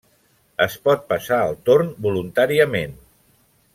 Es pot passar el torn voluntàriament.